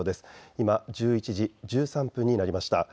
今、１１時１３分になりました。